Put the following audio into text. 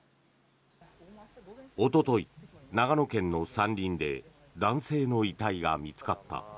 おととい、長野県の山林で男性の遺体が見つかった。